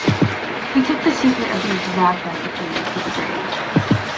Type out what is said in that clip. He took the secret of the exact recipe into the grave.